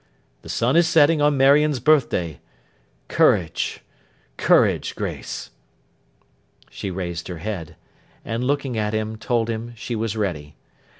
The sun is setting on Marion's birth day. Courage, courage, Grace!' She raised her head, and, looking at him, told him she was ready.